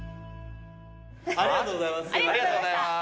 ありがとうございます。